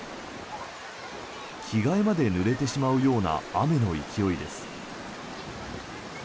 着替えまでぬれてしまうような雨の勢いです。